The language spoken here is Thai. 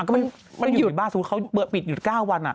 มันอยู่ในบ้านสมมุติเขาเปิดปิดหยุด๙วัน